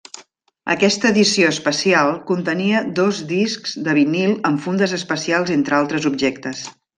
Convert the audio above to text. Aquesta edició especial contenia dos discs de vinil amb fundes especials entre altres objectes.